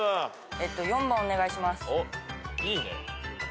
えっと４番お願いします。